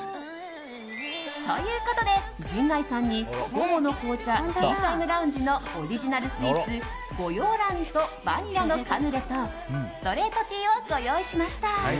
ということで、陣内さんに午後の紅茶ＴＥＡＴＩＭＥＬＯＵＮＧＥのオリジナルスイーツ御養卵とバニラのカヌレとストレートティーをご用意しました。